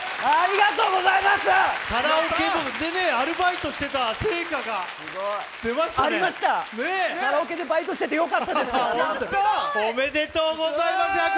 ありがとうございます！